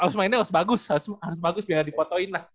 harus mainnya harus bagus harus bagus biar dipotoin lah